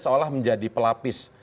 seolah menjadi pelapis